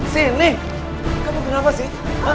sini kamu kenapa sih